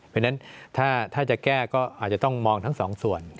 เพราะฉะนั้นถ้าจะแก้ก็อาจจะต้องมองทั้งสองส่วน